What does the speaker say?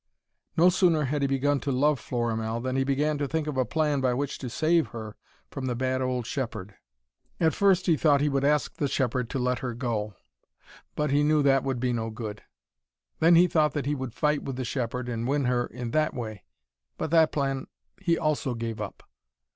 No sooner had he begun to love Florimell, than he began to think of a plan by which to save her from the bad old shepherd. At first, he thought he would ask the shepherd to let her go. But he knew that that would be no good. Then he thought that he would fight with the shepherd, and win her in that way. But that plan he also gave up.